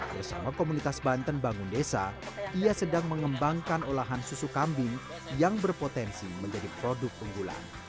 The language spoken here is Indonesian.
bersama komunitas banten bangun desa ia sedang mengembangkan olahan susu kambing yang berpotensi menjadi produk unggulan